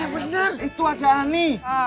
bener itu ada ani